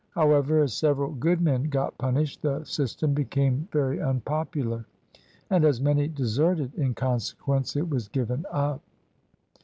However, as several good men got punished, the system became very unpopular, and as many deserted in consequence it was given up."